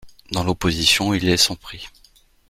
Dans l'opposition, il est sans prix.